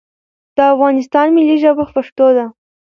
دا افغانستان ملی ژبه پښتو ده